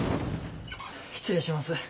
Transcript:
失礼します。